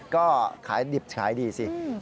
ก็ขายดีบสิ